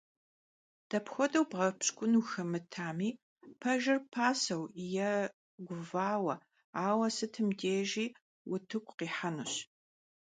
Dapxuedeu bğepşk'un vuxemıtmi pejjır paseu yê guvaue, aue sıtım dêjji vutıku khihenuş.